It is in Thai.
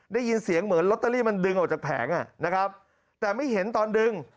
ได้ยินเสียงเหมือนลอตเตอรี่มันดึงออกจากแผงอ่ะนะครับแต่ไม่เห็นตอนดึง